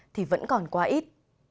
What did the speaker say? thì vẫn còn quá ít